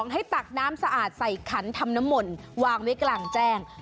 ตักน้ำสะอาดใส่ขันทำน้ำมนต์วางไว้กลางแจ้ง